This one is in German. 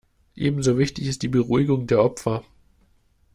Ebenso wichtig ist die Beruhigung der Opfer.